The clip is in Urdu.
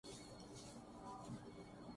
الف کا مکمل ٹریلر اور گانا بھی سامنے گیا